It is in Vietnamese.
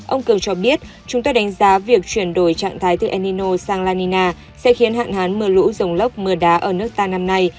ông cường cho biết chúng ta đánh giá việc chuyển đổi trạng thái từ enino sang lanina sẽ khiến hạn hán mưa lũ rồng lốc mưa đá ở nước ta năm nay